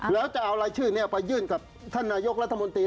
แล้วจะเอารายชื่อนี้ไปยื่นกับท่านนายกรัฐมนตรี